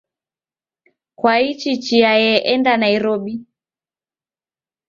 Kwaichi chia ye enda Nairobi?